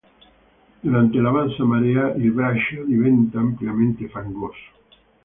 Durante la bassa marea il braccio diventa ampiamente fangoso.